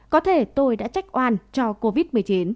có thể tôi đã trách oan cho covid một mươi chín